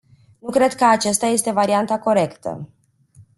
Nu cred că acesta este varianta corectă.